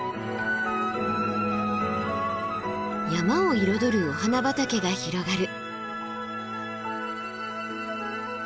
山を彩るお花畑が広がる。